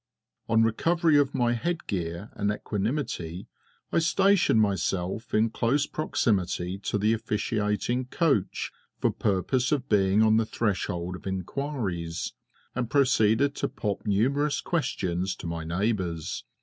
On recovery of my head gear and equanimity, I stationed myself in close proximity to the officiating coach for purpose of being on the threshold of inquiries, and proceeded to pop numerous questions to my neighbours.